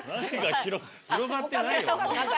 広がってないよ。